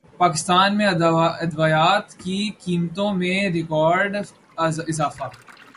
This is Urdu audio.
پاکستان میں ادویات کی قیمتوں میں ریکارڈ اضافہ